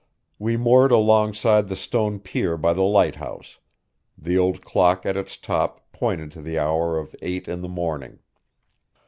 We moored alongside the stone pier by the lighthouse; the old clock at its top pointed to the hour of eight in the morning.